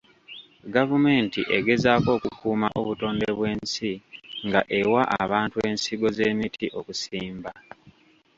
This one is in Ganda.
Gavumenti egezaako okukuuma obutonde bw'ensi nga ewa abantu ensigo z'emiti okusimba.